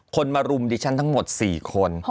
มารุมดิฉันทั้งหมด๔คน